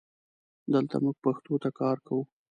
دلته مونږ پښتو ته کار کوو